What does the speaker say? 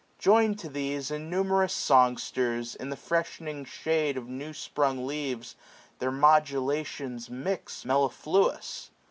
Join'd to these, Innumerous songsters, in the freshening shade 605 Of new sprung leaves, their modulations mix Mellifluous.